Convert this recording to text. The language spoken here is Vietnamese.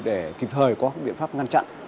để kịp thời có biện pháp ngăn chặn